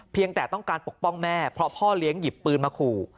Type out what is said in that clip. แต่ต้องการปกป้องแม่เพราะพ่อเลี้ยงหยิบปืนมาขู่